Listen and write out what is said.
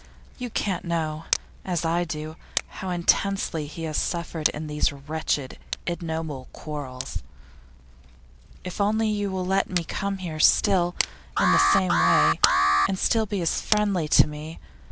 You can't know, as I do, how intensely he has suffered in these wretched, ignoble quarrels. If only you will let me come here still, in the same way, and still be as friendly to me.